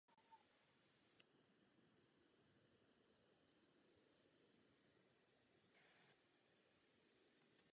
To jí umožnilo zachovat si samostatnost a vnitřní integritu po celou dobu její existence.